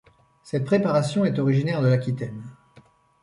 Cette préparation est originaire de l'Aquitaine.